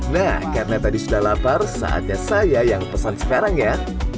nah karena tadi sudah lapar saatnya saya yang pesan sekarang ya